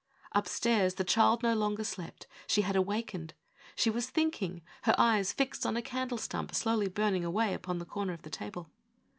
Up stairs the child no longer slept. She had awak ened ; she was thinking, her eyes fixed on a candle stump slowly burning away upon a corner of the table.